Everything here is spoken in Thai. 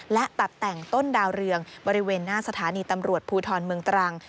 และตัดแต่งต้นดาวเรืองบริเวณหน้าสถานีตำรวจภูทรเมืองตรัง